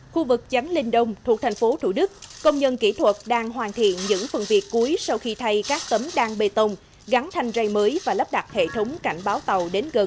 khu vực chánh linh đông thuộc thành phố thủ đức công nhân kỹ thuật đang hoàn thiện những phần việc cuối sau khi thay các tấm đăng bê tông gắn thanh rây mới và lắp đặt hệ thống cảnh báo tàu đến gần